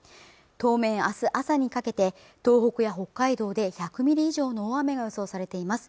当面明日朝にかけて東北や北海道で１００ミリ以上の大雨が予想されています